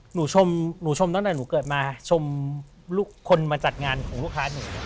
หนูชมหนูชมตั้งแต่หนูเกิดมาชมลูกคนมาจัดงานของลูกค้าหนู